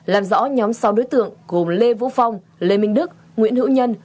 làm rõ nhóm sáu đối tượng gồm lê vũ phong lê minh đức nguyễn hữu nhân